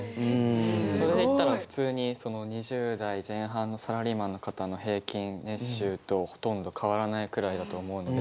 それでいったら普通に２０代前半のサラリーマンの方の平均年収とほとんど変わらないくらいだと思うので。